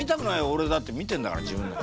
おれだって見てんだから自分の。